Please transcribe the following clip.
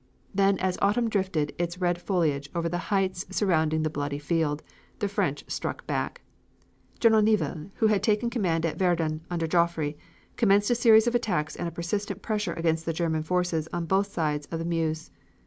Then as autumn drifted its red foliage over the heights surrounding the bloody field, the French struck back. General Nivelle, who had taken command at Verdun under Joffre, commenced a series of attacks and a persistent pressure against the German forces on both sides of the Meuse.